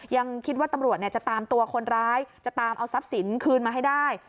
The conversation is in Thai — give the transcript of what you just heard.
ยังคิดว่าตำรวจจะตามตัวคนร้ายจะตามเอาทรัพย์สินคืนมาให้ได้